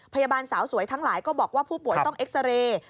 พยาบาลสาวสวยทั้งหลายก็บอกว่าผู้ป่วยต้องเอ็กซาเรย์